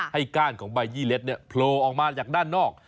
ก้านของใบยี่เล็ดโผล่ออกมาจากด้านนอก